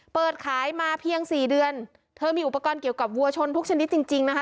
เปิดขายมาเพียงสี่เดือนเธอมีอุปกรณ์เกี่ยวกับวัวชนทุกชนิดจริงจริงนะคะ